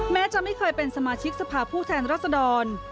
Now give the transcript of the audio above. แม้จะไม่เคยเป็นสมาชิกสภาพผู้แทนรัศดร